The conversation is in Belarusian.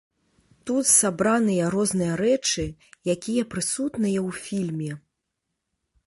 Тут сабраныя розныя рэчы, якія прысутныя ў фільме.